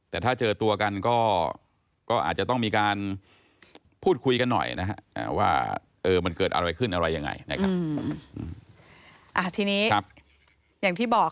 แต่ถ้าเจอตัวกันก็อาจจะต้องมีการพูดคุยกันหน่อยนะครับ